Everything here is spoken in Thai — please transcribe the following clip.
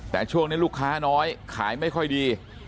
แต่ช่วงนี้ลูกค้าน้อยขายไม่ค่อยดี